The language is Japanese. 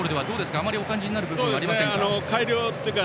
あまりお感じになる部分はありませんか。